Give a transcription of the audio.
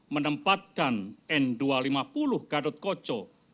menempatkan n dua ratus lima puluh gatotko cakaria bghbb